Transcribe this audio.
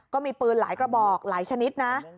ก็มีปืนหลายกระบอกหลายชนิดนะ